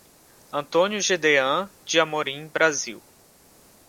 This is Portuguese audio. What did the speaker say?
Antônio Jedean de Amorim Brasil